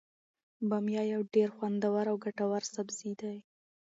بامیه یو ډیر خوندور او ګټور سبزي دی.